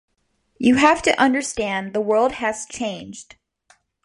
You have to understand the world has changed.